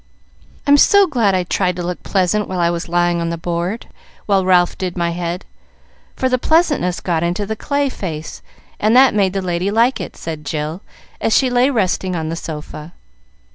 "I'm so glad I tried to look pleasant when I was lying on the board while Ralph did my head, for the pleasantness got into the clay face, and that made the lady like it," said Jill, as she lay resting on the sofa.